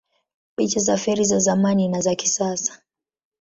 Picha za feri za zamani na za kisasa